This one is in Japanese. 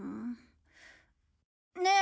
ねえ。